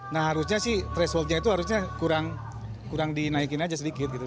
nah harusnya sih thresholdnya itu harusnya kurang dinaikin aja sedikit gitu